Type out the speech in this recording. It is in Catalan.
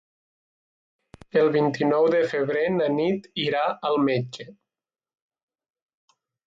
El vint-i-nou de febrer na Nit irà al metge.